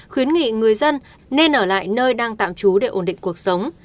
khuyến nghị người dân nên ở lại nơi đang tạm trú để ổn định cuộc sống